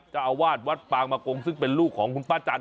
เจ้าอาวาสวัดปางมะกงซึ่งเป็นลูกของคุณป้าจันท